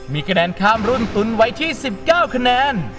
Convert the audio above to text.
มีคะแนนข้ามรุ่นตุ๋นไว้ที่๑๙คะแนน